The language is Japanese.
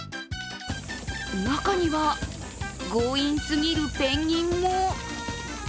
中には強引すぎるペンギンも。